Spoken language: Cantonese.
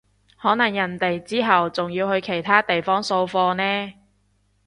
可能人哋之後仲要去其他地方掃貨呢